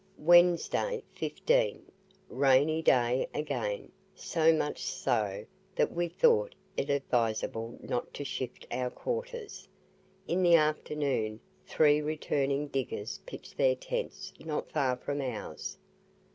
WEDNESDAY, 15. Rainy day again, so much so, that we thought it advisable not to shift our quarters. In the afternoon, three returning diggers pitched their tents not far from ours.